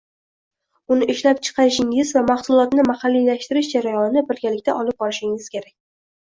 Uni ishlab chiqarishingiz va mahsulotni mahalliylashtirish jarayonini birgalikda olib borishingiz kerak.